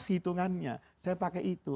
hitungannya saya pakai itu